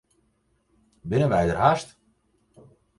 Binne wy der hast?